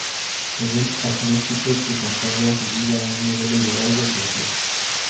Es un agnóstico que consagra su vida a un modelo ideal de poesía.